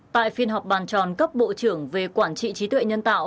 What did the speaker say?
tại phiên họp bàn tròn cấp bộ trưởng về quản trị trí tuệ nhân tạo